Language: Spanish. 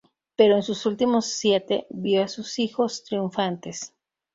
Pero en sus últimos siete, vio a sus hijos triunfantes.